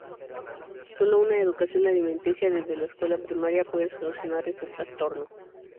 Solo una educación alimenticia desde la escuela primaria puede solucionar este trastorno.